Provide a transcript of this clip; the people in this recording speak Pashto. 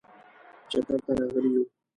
چکر ته راغلي یو.